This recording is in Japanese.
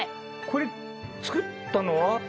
これ作ったのは？